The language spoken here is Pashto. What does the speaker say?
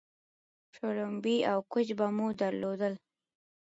شلومبې او کوچ به مو درلودل